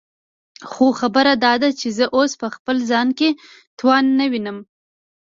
خو خبره داده چې زه اوس په خپل ځان کې توان نه وينم.